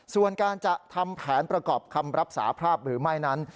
ส่วนการจะทำแผนประกอบคำรับสาภาพหรือไม่นั้น